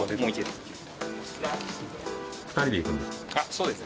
そうです。